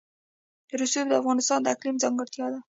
رسوب د افغانستان د اقلیم ځانګړتیا ده.